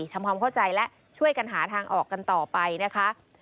ทำความเข้าใจและช่วยกันหาทางออกกันต่อไปนะคะ